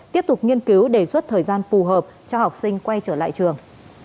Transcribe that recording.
tiếp tục nghiên cứu đề xuất thời gian phù hợp cho học sinh quay trở lại trường